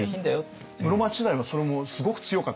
室町時代はそれもすごく強かったです。